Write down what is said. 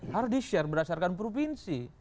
harus di share berdasarkan provinsi